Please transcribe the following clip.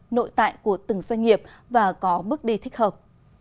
nội tại của từng doanh nghiệp và có bước đi thích hợp